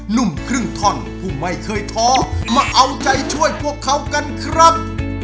ุ่มครึ่งท่อนผู้ไม่เคยท้อมาเอาใจช่วยพวกเขากันครับ